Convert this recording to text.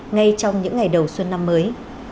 ngay trong những ngày đầu xuân năm mới